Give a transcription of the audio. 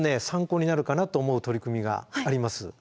参考になるかなと思う取り組みがあります。